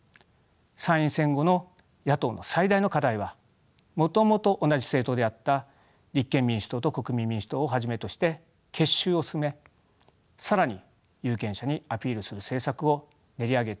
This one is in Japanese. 参院選後の野党の最大の課題はもともと同じ政党であった立憲民主党と国民民主党をはじめとして結集を進め更に有権者にアピールする政策を練り上げていくことです。